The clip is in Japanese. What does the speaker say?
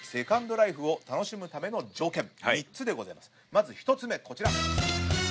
まず１つ目こちら。